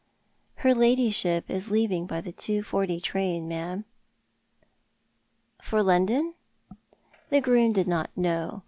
" Her ladyship is leaving by the 2.10 train, ma'am." " For London ?" The groom did not know.